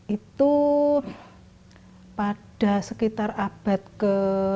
itu pada sekitar abad ke tujuh belas